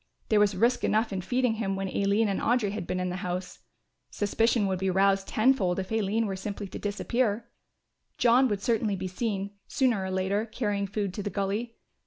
There was risk enough in feeding him when Aline and Audry had been in the house. Suspicion would be roused tenfold if Aline were simply to disappear. John would certainly be seen, sooner or later, carrying food to the gully.